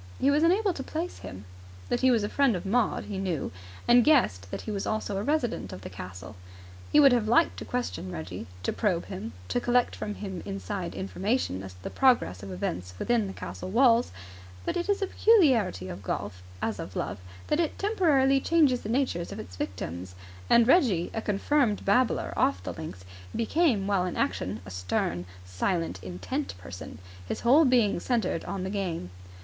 He was unable to place him. That he was a friend of Maud he knew, and guessed that he was also a resident of the castle. He would have liked to question Reggie, to probe him, to collect from him inside information as to the progress of events within the castle walls; but it is a peculiarity of golf, as of love, that it temporarily changes the natures of its victims; and Reggie, a confirmed babbler off the links, became while in action a stern, silent, intent person, his whole being centred on the game.